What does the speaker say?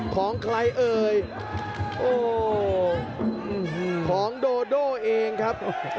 ของโดโดเองครับ